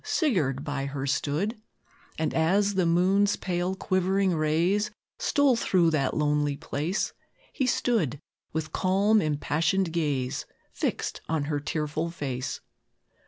Sigurd by her stood; And as the moon's pale, quivering rays Stole through that lonely place, He stood, with calm, impassioned gaze Fixed on her tearful face.